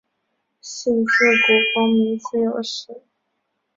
信自古功名各有时。